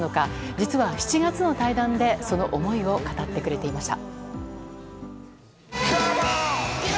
実は７月の対談でその思いを語ってくれていました。